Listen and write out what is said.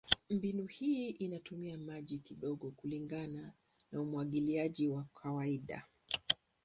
Mbinu hii inatumia maji kidogo kulingana na umwagiliaji wa kawaida.